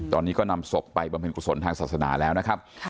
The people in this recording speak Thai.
ตอนนี้ก็นำศพไปบำเพ็ญกุศลทางศาสนาแล้วนะครับ